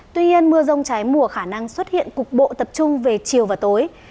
tuy nhiên mưa rông trái mùa khả năng xuất hiện cục bộ tập trung về chiều và tối